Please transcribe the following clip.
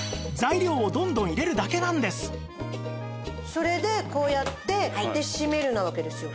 それでこうやってで「しめる」なわけですよ。